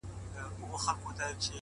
مهرباني د انسانیت خاموشه ژبه ده.!